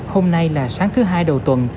hôm nay là sáng thứ hai đầu tuần